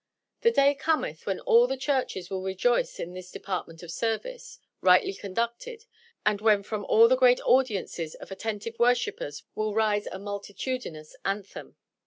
The day cometh when all the churches will rejoice in this department of service, rightly conducted, and when from all the great audiences of attentive worshippers will rise a multitudinous anthem.